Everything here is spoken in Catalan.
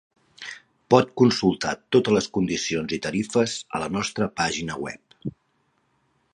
Pot consultar totes les condicions i tarifes a la nostra pàgina web.